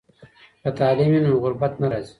که تعلیم وي نو غربت نه راځي.